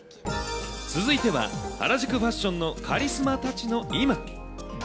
続いては、原宿ファッションのカリスマたちの今。